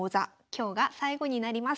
今日が最後になります。